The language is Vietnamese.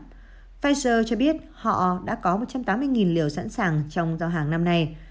pfizer cho biết họ đã có một trăm tám mươi liều sẵn sàng trong giao hàng năm nay